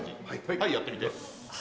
はいやってみて。